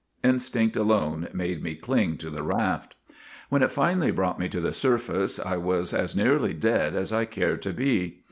Instinct alone made me cling to the raft. ; When it finally brought me to the surface I was as nearly dead as I care to be.